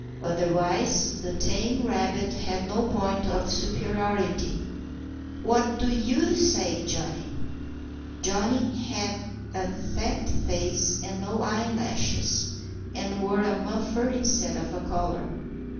Otherwise, the tame rabbit had no point of superiority. "What do you say, Johnny?" Johnny had a fat face and no eyelashes, and wore a muffler instead of a collar.